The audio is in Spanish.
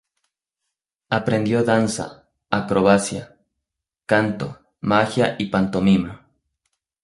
Aprendió danza, acrobacia, canto, magia y pantomima.